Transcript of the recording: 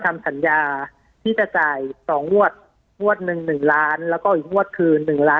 ปากกับภาคภูมิ